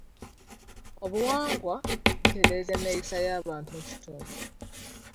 Obuwangwa butereeza enneeyisa y'abantu mu kitundu.